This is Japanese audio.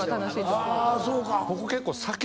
ああそうか。